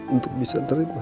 untuk bisa terima